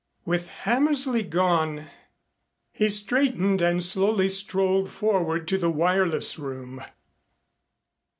With Hammersley gone He straightened and slowly strolled forward to the wireless room.